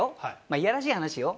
いやらしい話よ。